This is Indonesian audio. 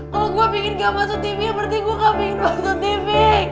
kalau gue pengen gak masuk tv berarti gue kambing masuk tv